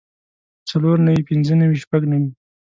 څلور نوي پنځۀ نوي شپږ نوي